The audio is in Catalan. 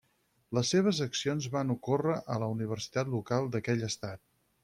Les seves accions van ocórrer a la universitat local d'aquell estat.